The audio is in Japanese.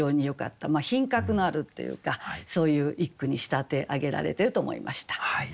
品格のあるというかそういう一句に仕立て上げられてると思いました。